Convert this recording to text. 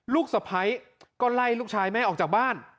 สะพ้ายก็ไล่ลูกชายแม่ออกจากบ้าน